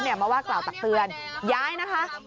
มาว่ากล่าวตักเตือนย้ายนะคะ